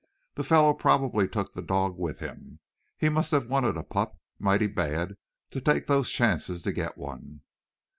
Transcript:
The fellow probably took the dog with him. He must have wanted a pup mighty bad to take those chances to get one."